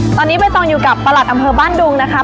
ตอนนี้ใบตองอยู่กับประหลัดอำเภอบ้านดุงนะคะ